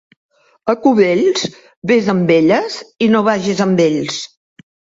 A Cubells, vés amb elles i no vagis amb ells.